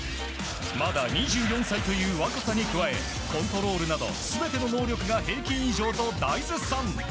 まだ２４歳という若さに加えコントロールなど全ての能力が平均以上と大絶賛。